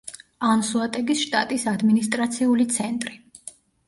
ანსოატეგის შტატის ადმინისტრაციული ცენტრი.